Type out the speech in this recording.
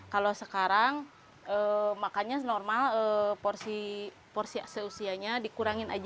kalau sekarang makannya normal porsi seusianya dikurangin aja